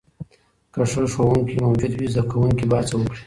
که ښه ښوونکې موجود وي، زده کوونکي به هڅه وکړي.